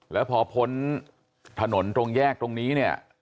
แล้วพอพ้นถนนตรงแยกตรงนี้เนี่ย